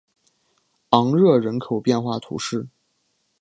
昂热人口变化图示